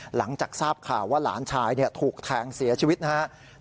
หลังจากทราบข่าวว่าหลานชายถูกแทงเสียชีวิตนะครับ